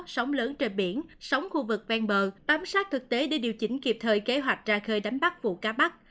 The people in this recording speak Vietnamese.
sống lớn trên biển sống khu vực ven bờ bám sát thực tế để điều chỉnh kịp thời kế hoạch ra khơi đánh bắt vụ cá bắt